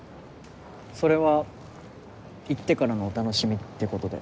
それは行ってからのお楽しみってことで。